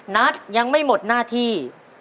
นัทยังไม่หมดหน้าที่